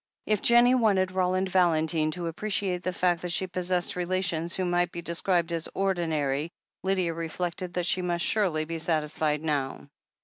If Jennie wanted Roland Valentine to appreciate the fact that she possessed relations who might be described as "ordinary," Lydia reflected that she must surely be satisfied now.